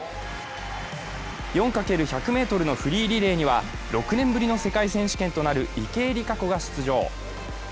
４×１００ｍのフリーリレーには６年ぶりの世界選手権となる池江璃花子が出場。